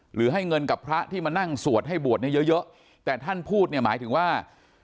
หรือให้เงินกับพระที่มานั่งสวดให้บวชเนี่ยเยอะเยอะแต่ท่านพูดเนี่ยหมายถึงว่า